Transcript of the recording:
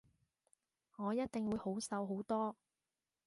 我一定會好受好多